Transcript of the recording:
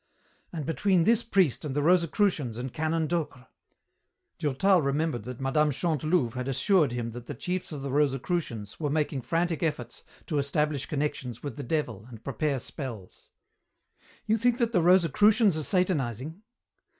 "And between this priest and the Rosicrusians and Canon Docre." Durtal remembered that Mme. Chantelouve had assured him that the chiefs of the Rosicrucians were making frantic efforts to establish connections with the devil and prepare spells. "You think that the Rosicrucians are satanizing?"